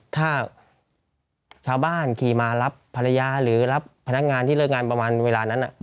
ถ้าชาวบ้านขี่มารับภรรยาหรือรับพนักงานที่เลิกงานประมาณเวลานั้น